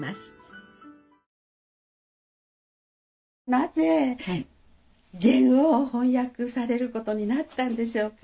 なぜゲンを翻訳されることになったんでしょうか。